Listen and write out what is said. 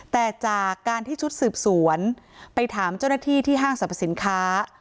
แต่จากการที่ชุดสืบสวนไปถามเจ้าหน้าที่ที่ห้างสรรพสินค้า